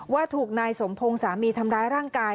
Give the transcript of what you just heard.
ว่าถูกนายสมพงศ์สามีทำร้ายร่างกาย